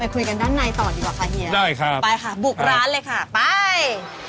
คุยกันด้านในต่อดีกว่าค่ะเฮียได้ครับไปค่ะบุกร้านเลยค่ะไป